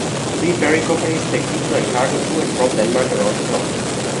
Three ferry companies take people and cargo to and from Denmark around the clock.